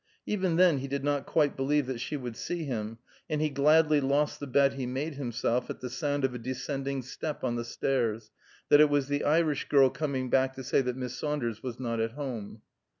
Even then he did not quite believe that she would see him, and he gladly lost the bet he made himself, at the sound of a descending step on the stairs, that it was the Irish girl coming back to say that Miss Saunders was not at home.